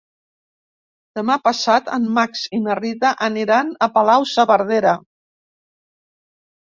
Demà passat en Max i na Rita aniran a Palau-saverdera.